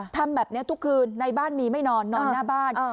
ทำแบบนี้ทุกคืนในบ้านมีไม่นอนนอนหน้าบ้าน